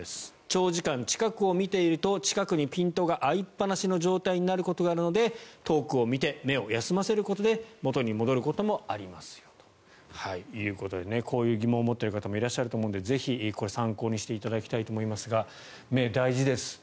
長時間近くを見ていると近くにピントが合いっぱなしの状態になることがあるので遠くを見て目を休ませることで元に戻ることもありますということでこういう疑問を持っている方もいらっしゃると思うので参考にしていただきたいと思いますが目、大事です。